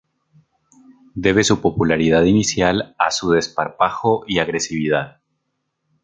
Debe su popularidad inicial a su desparpajo y agresividad.